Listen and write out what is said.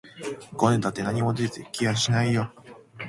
ごねたって何も出て来やしないよ